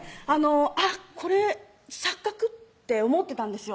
あっこれ錯覚？って想ってたんです